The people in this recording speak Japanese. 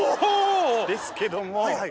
ですけども。